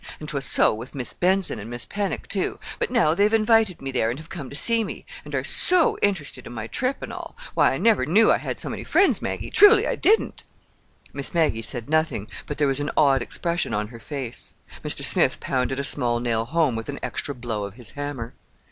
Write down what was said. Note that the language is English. And 'twas so with Mis' Benson and Mis' Pennock, too. But now they've invited me there and have come to see me, and are so interested in my trip and all. Why, I never knew I had so many friends, Maggie. Truly I didn't!" Miss Maggie said nothing, but, there was an odd expression on her face. Mr. Smith pounded a small nail home with an extra blow of his hammer.